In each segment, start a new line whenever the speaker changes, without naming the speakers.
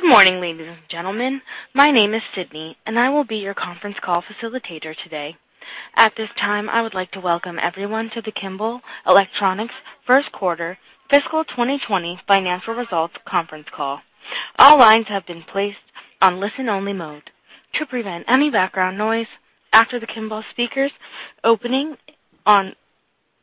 Good morning, ladies and gentlemen. My name is Sydney. I will be your conference call facilitator today. At this time, I would like to welcome everyone to the Kimball Electronics first quarter fiscal 2020 financial results conference call. All lines have been placed on listen-only mode. To prevent any background noise, after the Kimball speakers' opening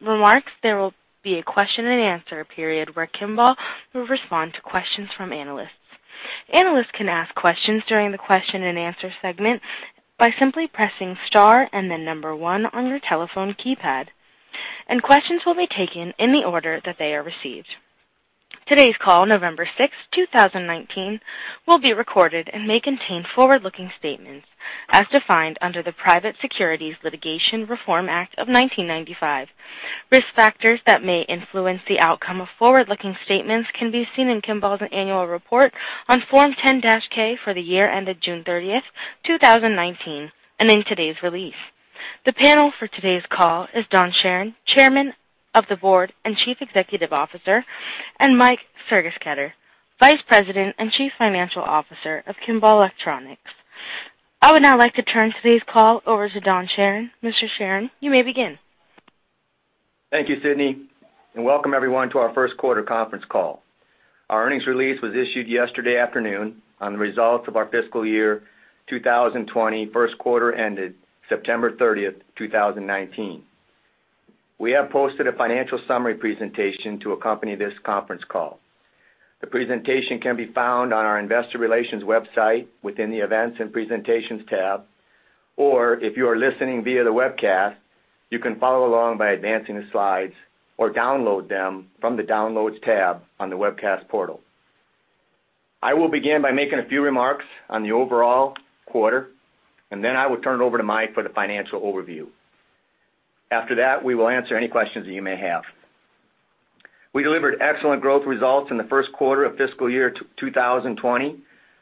remarks, there will be a question and answer period where Kimball will respond to questions from analysts. Analysts can ask questions during the question and answer segment by simply pressing star and then number one on your telephone keypad. Questions will be taken in the order that they are received. Today's call, November sixth, 2019, will be recorded and may contain forward-looking statements as defined under the Private Securities Litigation Reform Act of 1995. Risk factors that may influence the outcome of forward-looking statements can be seen in Kimball's annual report on Form 10-K for the year ended June 30th, 2019, and in today's release. The panel for today's call is Don Charron, Chairman of the Board and Chief Executive Officer, and Mike Sergesketter, Vice President and Chief Financial Officer of Kimball Electronics. I would now like to turn today's call over to Don Charron. Mr. Charron, you may begin.
Thank you, Sydney. Welcome everyone to our first quarter conference call. Our earnings release was issued yesterday afternoon on the results of our fiscal year 2020 first quarter ended September 30th, 2019. We have posted a financial summary presentation to accompany this conference call. The presentation can be found on our investor relations website within the events and presentations tab, or if you are listening via the webcast, you can follow along by advancing the slides or download them from the downloads tab on the webcast portal. I will begin by making a few remarks on the overall quarter, and then I will turn it over to Mike for the financial overview. After that, we will answer any questions that you may have. We delivered excellent growth results in the first quarter of fiscal year 2020,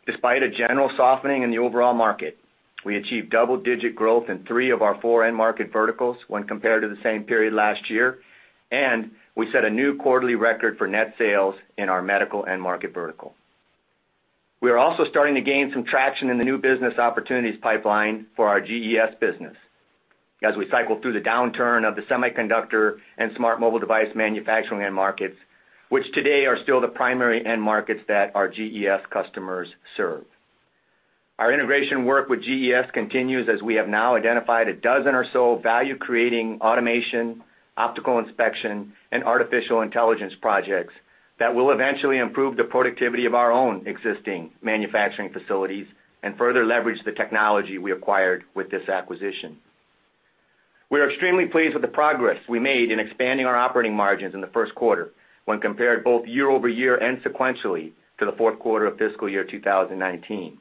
despite a general softening in the overall market. We achieved double-digit growth in three of our four end market verticals when compared to the same period last year, and we set a new quarterly record for net sales in our medical end market vertical. We are also starting to gain some traction in the new business opportunities pipeline for our GES business as we cycle through the downturn of the semiconductor and smart mobile device manufacturing end markets, which today are still the primary end markets that our GES customers serve. Our integration work with GES continues as we have now identified a dozen or so value-creating automation, optical inspection, and artificial intelligence projects that will eventually improve the productivity of our own existing manufacturing facilities and further leverage the technology we acquired with this acquisition. We are extremely pleased with the progress we made in expanding our operating margins in the first quarter when compared both year-over-year and sequentially to the fourth quarter of fiscal year 2019.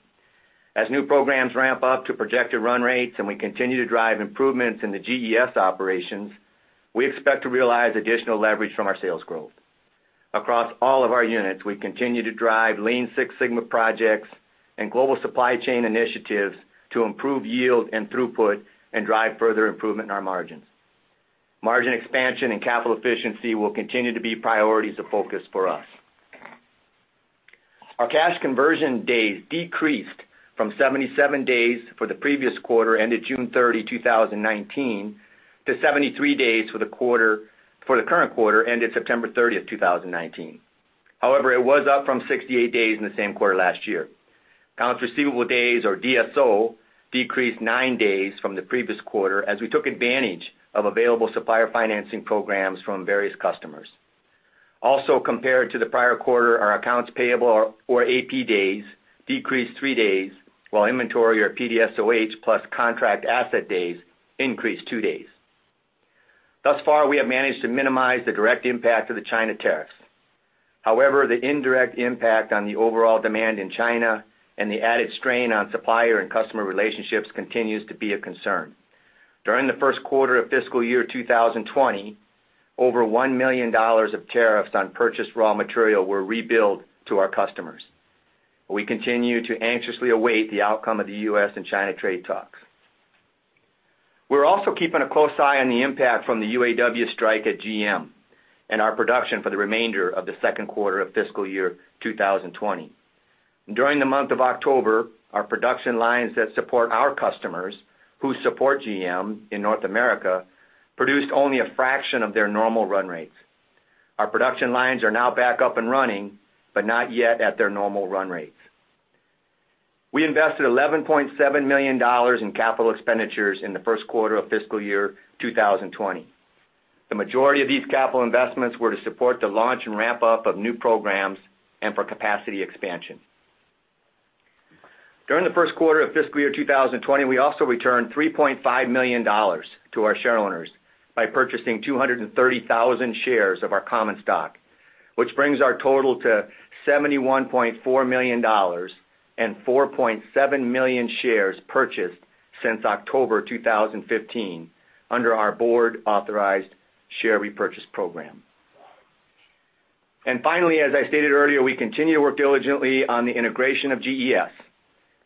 As new programs ramp up to projected run rates and we continue to drive improvements in the GES operations, we expect to realize additional leverage from our sales growth. Across all of our units, we continue to drive Lean Six Sigma projects and global supply chain initiatives to improve yield and throughput and drive further improvement in our margins. Margin expansion and capital efficiency will continue to be priorities of focus for us. Our cash conversion days decreased from 77 days for the previous quarter ended June 30, 2019, to 73 days for the current quarter ended September 30, 2019. It was up from 68 days in the same quarter last year. Accounts receivable days, or DSO, decreased nine days from the previous quarter as we took advantage of available supplier financing programs from various customers. Also, compared to the prior quarter, our accounts payable, or AP days, decreased three days, while inventory or PDSOH plus contract asset days increased two days. Thus far, we have managed to minimize the direct impact of the China tariffs. However, the indirect impact on the overall demand in China and the added strain on supplier and customer relationships continues to be a concern. During the first quarter of fiscal year 2020, over $1 million of tariffs on purchased raw material were rebilled to our customers. We continue to anxiously await the outcome of the U.S. and China trade talks. We're also keeping a close eye on the impact from the UAW strike at GM and our production for the remainder of the second quarter of fiscal year 2020. During the month of October, our production lines that support our customers who support GM in North America produced only a fraction of their normal run rates. Our production lines are now back up and running, but not yet at their normal run rates. We invested $11.7 million in capital expenditures in the first quarter of fiscal year 2020. The majority of these capital investments were to support the launch and ramp-up of new programs and for capacity expansion. During the first quarter of fiscal year 2020, we also returned $3.5 million to our shareowners by purchasing 230,000 shares of our common stock, which brings our total to $71.4 million and 4.7 million shares purchased since October 2015 under our board-authorized share repurchase program. Finally, as I stated earlier, we continue to work diligently on the integration of GES.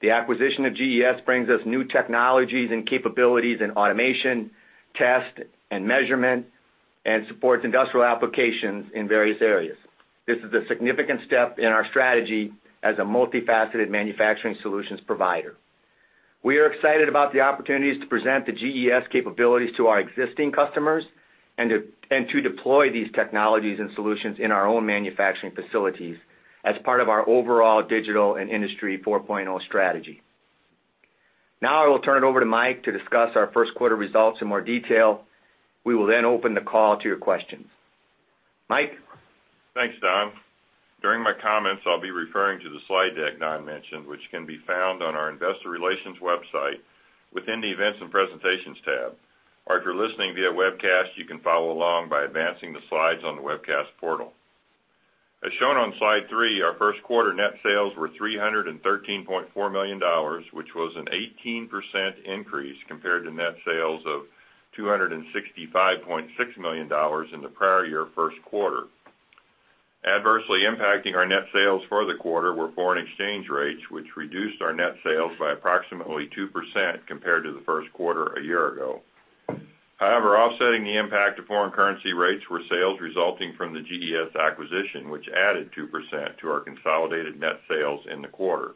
The acquisition of GES brings us new technologies and capabilities in automation, test, and measurement, and supports industrial applications in various areas. This is a significant step in our strategy as a multifaceted manufacturing solutions provider. We are excited about the opportunities to present the GES capabilities to our existing customers and to deploy these technologies and solutions in our own manufacturing facilities as part of our overall digital and Industry 4.0 strategy. I will turn it over to Mike to discuss our first quarter results in more detail. We will then open the call to your questions. Mike?
Thanks, Don. During my comments, I'll be referring to the slide deck Don mentioned, which can be found on our investor relations website within the Events and Presentations tab. Or if you're listening via webcast, you can follow along by advancing the slides on the webcast portal. As shown on slide three, our first quarter net sales were $313.4 million, which was an 18% increase compared to net sales of $265.6 million in the prior year first quarter. Adversely impacting our net sales for the quarter were foreign exchange rates, which reduced our net sales by approximately 2% compared to the first quarter a year ago. However, offsetting the impact of foreign currency rates were sales resulting from the GES acquisition, which added 2% to our consolidated net sales in the quarter.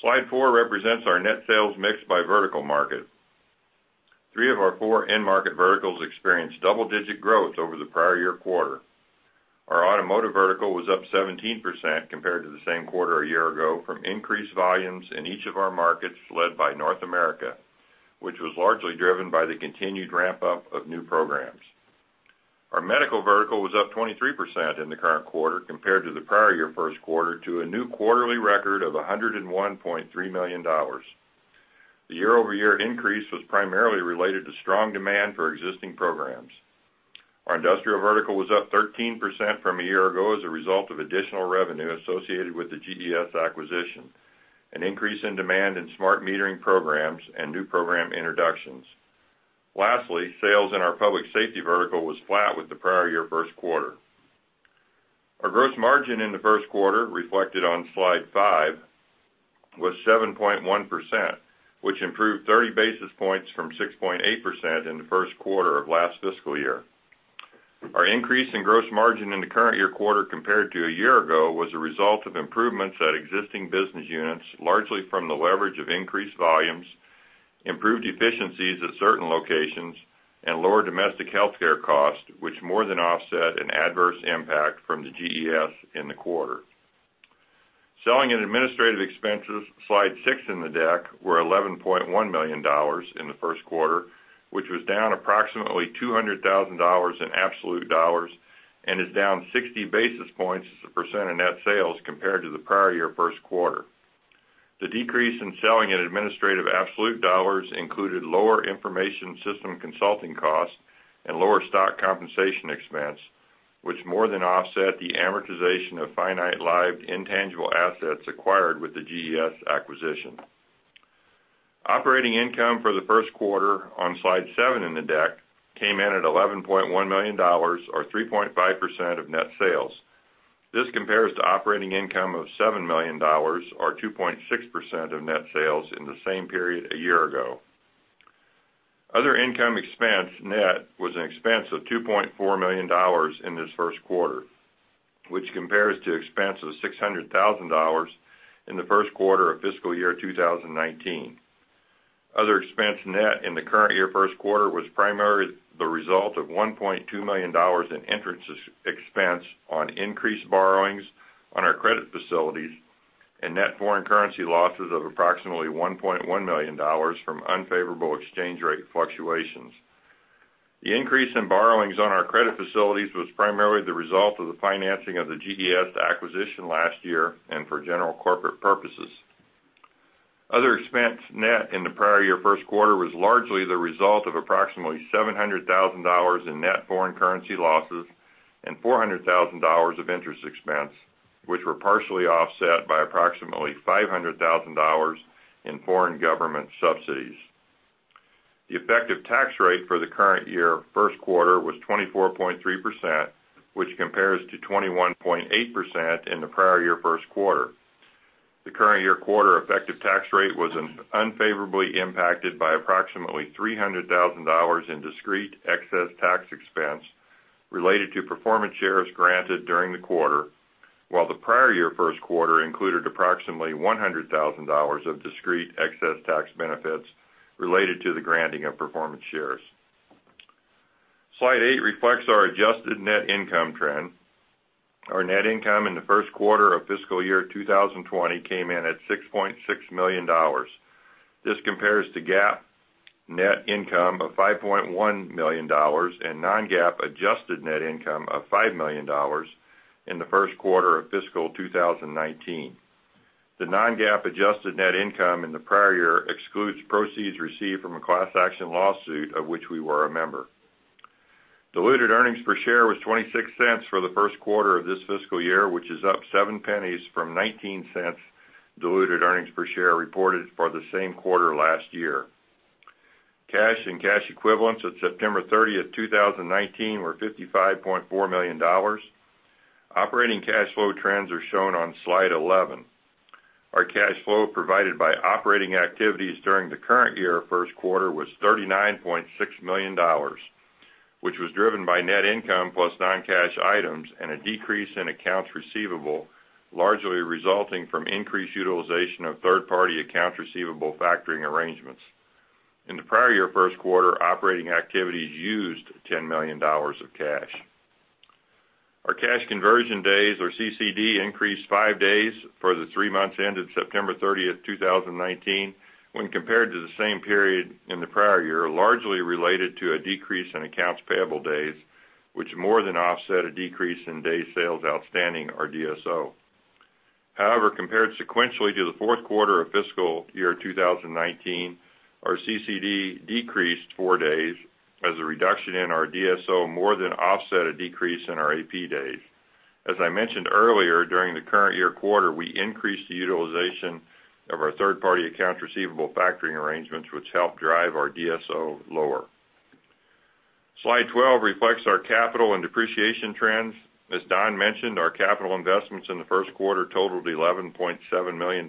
Slide four represents our net sales mix by vertical market. Three of our four end market verticals experienced double-digit growth over the prior year quarter. Our automotive vertical was up 17% compared to the same quarter a year ago from increased volumes in each of our markets, led by North America, which was largely driven by the continued ramp-up of new programs. Our medical vertical was up 23% in the current quarter compared to the prior year first quarter, to a new quarterly record of $101.3 million. The year-over-year increase was primarily related to strong demand for existing programs. Our industrial vertical was up 13% from a year ago as a result of additional revenue associated with the GES acquisition, an increase in demand in smart metering programs, and new program introductions. Lastly, sales in our public safety vertical was flat with the prior year first quarter. Our gross margin in the first quarter, reflected on slide five, was 7.1%, which improved 30 basis points from 6.8% in the first quarter of last fiscal year. Our increase in gross margin in the current year quarter compared to a year ago was a result of improvements at existing business units, largely from the leverage of increased volumes, improved efficiencies at certain locations, and lower domestic healthcare costs, which more than offset an adverse impact from the GES in the quarter. Selling and administrative expenses, slide six in the deck, were $11.1 million in the first quarter, which was down approximately $200,000 in absolute dollars and is down 60 basis points as a percent of net sales compared to the prior year first quarter. The decrease in selling and administrative absolute dollars included lower information system consulting costs and lower stock compensation expense, which more than offset the amortization of finite-lived intangible assets acquired with the GES acquisition. Operating income for the first quarter, on slide seven in the deck, came in at $11.1 million, or 3.5% of net sales. This compares to operating income of $7 million, or 2.6% of net sales, in the same period a year ago. Other income expense net was an expense of $2.4 million in this first quarter, which compares to expense of $600,000 in the first quarter of fiscal year 2019. Other expense net in the current year first quarter was primarily the result of $1.2 million in interest expense on increased borrowings on our credit facilities and net foreign currency losses of approximately $1.1 million from unfavorable exchange rate fluctuations. The increase in borrowings on our credit facilities was primarily the result of the financing of the GES acquisition last year and for general corporate purposes. Other expense net in the prior year first quarter was largely the result of approximately $700,000 in net foreign currency losses and $400,000 of interest expense, which were partially offset by approximately $500,000 in foreign government subsidies. The effective tax rate for the current year first quarter was 24.3%, which compares to 21.8% in the prior year first quarter. The current year quarter effective tax rate was unfavorably impacted by approximately $300,000 in discrete excess tax expense related to performance shares granted during the quarter, while the prior year first quarter included approximately $100,000 of discrete excess tax benefits related to the granting of performance shares. Slide eight reflects our adjusted net income trend. Our net income in the first quarter of fiscal year 2020 came in at $6.6 million. This compares to GAAP net income of $5.1 million and non-GAAP adjusted net income of $5 million in the first quarter of fiscal 2019. The non-GAAP adjusted net income in the prior year excludes proceeds received from a class action lawsuit of which we were a member. Diluted earnings per share was $0.26 for the first quarter of this fiscal year, which is up $0.07 from $0.19 diluted earnings per share reported for the same quarter last year. Cash and cash equivalents at September 30th, 2019 were $55.4 million. Operating cash flow trends are shown on slide 11. Our cash flow provided by operating activities during the current year first quarter was $39.6 million, which was driven by net income plus non-cash items and a decrease in accounts receivable, largely resulting from increased utilization of third-party accounts receivable factoring arrangements. In the prior year first quarter, operating activities used $10 million of cash. Our cash conversion days, or CCD, increased five days for the three months ended September 30th, 2019 when compared to the same period in the prior year, largely related to a decrease in accounts payable days, which more than offset a decrease in days sales outstanding, or DSO. Compared sequentially to the fourth quarter of fiscal year 2019, our CCD decreased four days as a reduction in our DSO more than offset a decrease in our AP days. As I mentioned earlier, during the current year quarter, we increased the utilization of our third-party accounts receivable factoring arrangements, which helped drive our DSO lower. Slide 12 reflects our capital and depreciation trends. As Don mentioned, our capital investments in the first quarter totaled $11.7 million,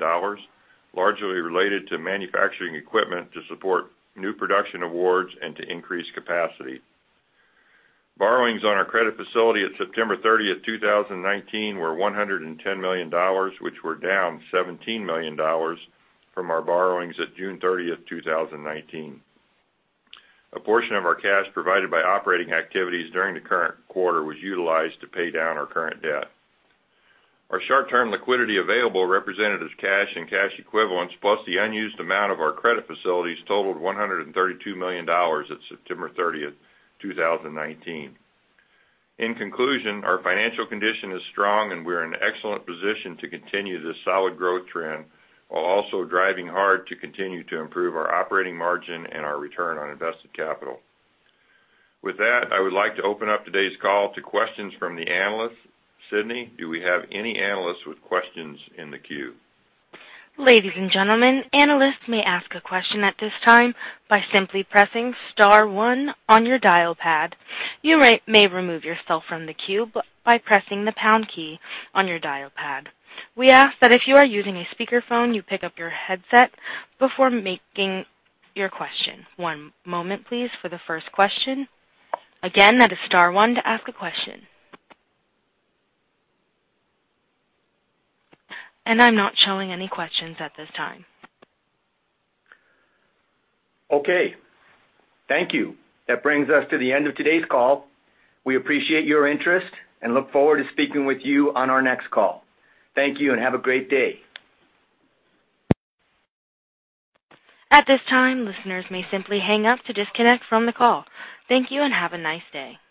largely related to manufacturing equipment to support new production awards and to increase capacity. Borrowings on our credit facility at September 30th, 2019 were $110 million, which were down $17 million from our borrowings at June 30th, 2019. A portion of our cash provided by operating activities during the current quarter was utilized to pay down our current debt. Our short-term liquidity available, representative cash and cash equivalents, plus the unused amount of our credit facilities totaled $132 million at September 30th, 2019. In conclusion, our financial condition is strong, and we're in excellent position to continue this solid growth trend while also driving hard to continue to improve our operating margin and our return on invested capital. With that, I would like to open up today's call to questions from the analysts. Sydney, do we have any analysts with questions in the queue?
Ladies and gentlemen, analysts may ask a question at this time by simply pressing *1 on your dial pad. You may remove yourself from the queue by pressing the # key on your dial pad. We ask that if you are using a speakerphone, you pick up your headset before making your question. One moment please for the first question. Again, that is *1 to ask a question. I'm not showing any questions at this time.
Okay. Thank you. That brings us to the end of today's call. We appreciate your interest and look forward to speaking with you on our next call. Thank you and have a great day.
At this time, listeners may simply hang up to disconnect from the call. Thank you, and have a nice day.